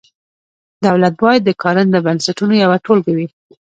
دولت باید د کارنده بنسټونو یوه ټولګه وي.